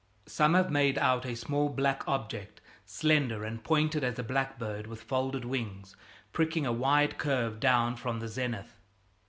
Some have made out a small black object, slender and pointed as a blackbird with folded wings, pricking a wide curve down from the zenith.